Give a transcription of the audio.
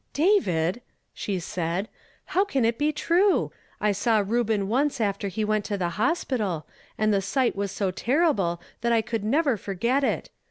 "David!" she said, "how can that be true? I saw Reuben once after he went to the hospital, and the sight was so terrible that I could never forget it.